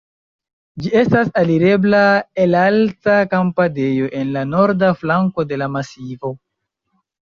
Ĝi estas alirebla el alta kampadejo en la norda flanko de la masivo.